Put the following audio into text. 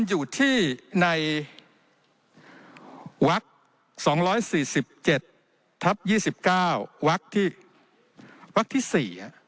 วัก๒๔๗ทับ๒๙วักที่๔